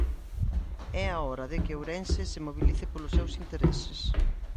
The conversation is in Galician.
É a hora de que Ourense se mobilice polos seus intereses.